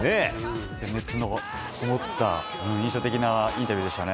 気持ちのこもった印象的なインタビューでしたね。